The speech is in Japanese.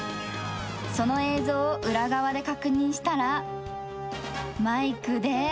その映像を裏側で確認したら、マイクで。